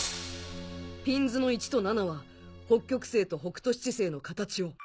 ピンズの１と７は北極星と北斗七星の形を。